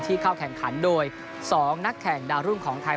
เข้าแข่งขันโดย๒นักแข่งดาวรุ่งของไทย